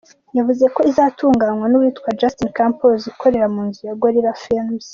Yavuze ko izatunganywa n’uwitwa Justin Campos ukorera mu nzu ya Gorilla Films.